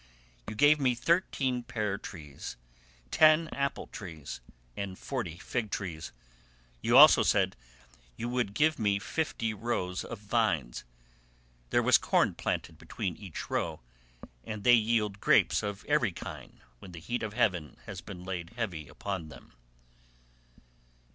You gave me thirteen pear trees, ten apple trees, and forty fig trees; you also said you would give me fifty rows of vines; there was corn planted between each row, and they yield grapes of every kind when the heat of heaven has been laid heavy upon them."